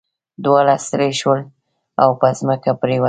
دواړه ستړي شول او په ځمکه پریوتل.